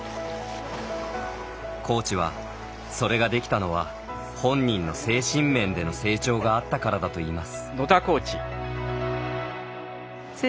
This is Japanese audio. コーチは、それができたのは本人の精神面での成長があったからだといいます。